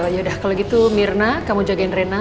yaudah kalo gitu mirna kamu jagain reyna